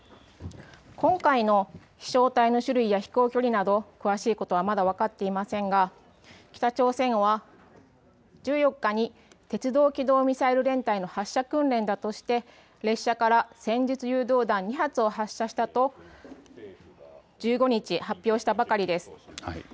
今回の飛しょう体の種類や飛行距離など詳しいことはまだ分かっていませんが、北朝鮮は１４日に鉄道機動ミサイル連隊の発射訓練だとして列車から戦術誘導弾、２発を発射したと１５日、発表したばかりです。